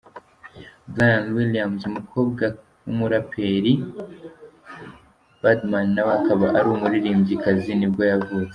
Bria Williams, umukobwa w’umuraperi Birdman nawe akaba ari umuririmbyikazi nibwo yavutse.